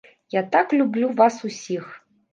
Я так люблю вас усіх!